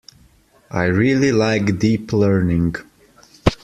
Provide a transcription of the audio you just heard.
I really like Deep Learning.